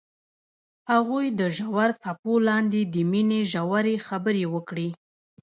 هغوی د ژور څپو لاندې د مینې ژورې خبرې وکړې.